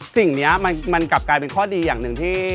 สิ่งนี้มันกลับกลายเป็นข้อดีอย่างหนึ่งที่